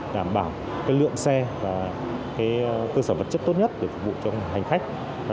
đảm bảo lượng xe và cơ sở vật chất tốt nhất để phục vụ cho hành khách